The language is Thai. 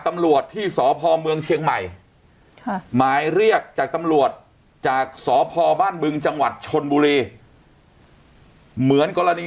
ตำรวจที่ศภูเมืองเฉียงใหม่บ่านบึงจังหวัดชนบุรีเหมือนกรณี